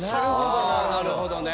ああなるほどね。